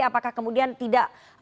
apakah kemudian tidak